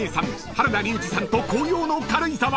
原田龍二さんと紅葉の軽井沢へ］